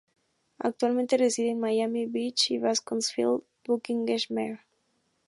Actualmente reside en Miami Beach y Beaconsfield, Buckinghamshire.